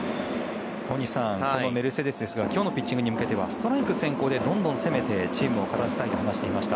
大西さんメルセデスですが今日のピッチングに向けてはストライク先行でどんどん攻めてチームを勝たせたいと話していました。